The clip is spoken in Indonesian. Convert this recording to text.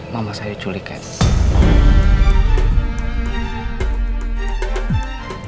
mama saya diculik kak